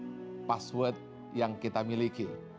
kita bisa mencari password yang kita miliki